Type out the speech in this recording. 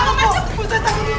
aku takut aku takut aku takut